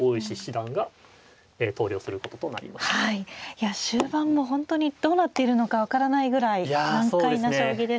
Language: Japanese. いや終盤も本当にどうなっているのか分からないぐらい難解な将棋でしたが。